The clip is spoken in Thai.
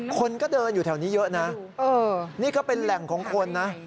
คนก็เดินอยู่แถวนี้เยอะนะนี่ก็เป็นแหล่งของคนนะ